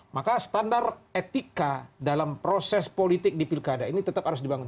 maka standar etika dalam proses politik di pilkada ini tetap harus dibangun